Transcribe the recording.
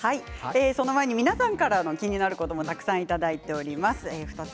その前に皆さんからの気になることもたくさんいただいています。